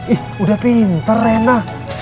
ih udah pinter rena